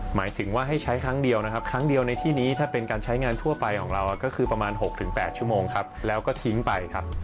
หมายถึงว่าให้ใช้ครั้งเดียวนะครับครั้งเดียวในที่นี้ถ้าเป็นการใช้งานทั่วไปของเราก็คือประมาณ๖๘ชั่วโมงครับแล้วก็ทิ้งไปครับ